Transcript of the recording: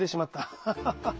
ハハハハハ。